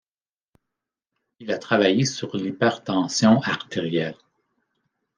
Il a travaillé sur l’hypertension artérielle.